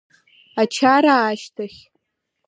Ачара ашьҭахь…